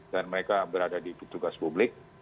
dan mereka berada di tugas publik